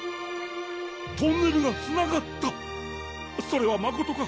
トンネルがつながった⁉それは誠か？